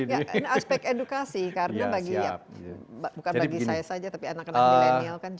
ya aspek edukasi karena bagi bukan bagi saya saja tapi anak anak milenial kan juga